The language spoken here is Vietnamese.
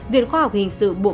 viện khoa học hình sự của quyền